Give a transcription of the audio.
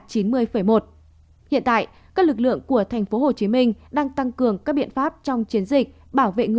hiện tại các lực lượng của tp hcm đang tăng cường các biện pháp trong chiến dịch